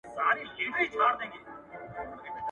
هغه وويل چي لوښي مينځل مهم دي!!